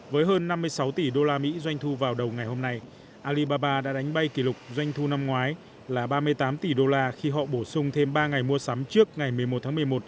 với hơn năm mươi sáu tỷ usd doanh thu vào đầu ngày hôm nay alibaba đã đánh bay kỷ lục doanh thu năm ngoái là ba mươi tám tỷ đô la khi họ bổ sung thêm ba ngày mua sắm trước ngày một mươi một tháng một mươi một